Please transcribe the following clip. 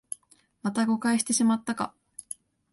また誤解してしまったか